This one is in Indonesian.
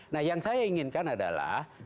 nah yang saya inginkan adalah